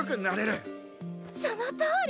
そのとおり！